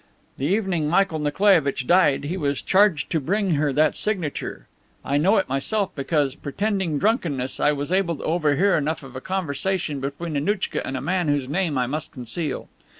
The evening Michael Nikolaievitch died, he was charged to bring her that signature. I know it, myself, because, pretending drunkenness, I was able to overhear enough of a conversation between Annouchka and a man whose name I must conceal.